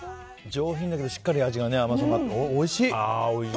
上品だけどしっかり甘さがあっておいしい。